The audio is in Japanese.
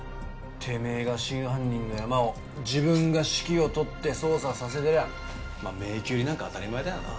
てめえが真犯人のヤマを自分が指揮を執って捜査させてりゃ迷宮入りなんか当たり前だよな。